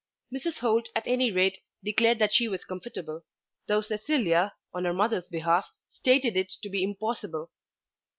Mrs. Holt at any rate declared that she was comfortable, though Cecilia on her mother's behalf stated it to be impossible.